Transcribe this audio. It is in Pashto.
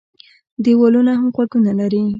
ـ دېوالونو هم غوږونه لري.